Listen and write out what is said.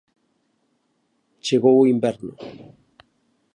Chegou o inverno.